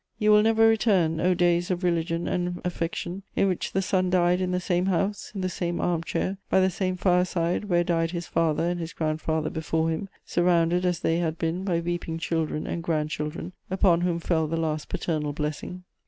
You will never return, O days of religion and affection, in which the son died in the same house, in the same arm chair, by the same fireside where died his father and his grandfather before him, surrounded, as they had been, by weeping children and grandchildren, upon whom fell the last paternal blessing!